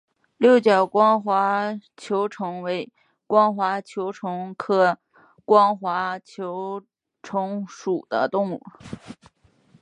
六角光滑球虫为光滑球虫科光滑球虫属的动物。